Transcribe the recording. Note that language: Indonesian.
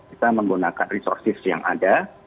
kita menggunakan resources yang ada